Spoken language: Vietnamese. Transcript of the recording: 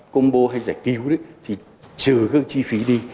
công bố hay giải cứu thì trừ các chi phí đi